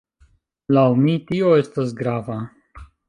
Laŭ mi, tio estas grava.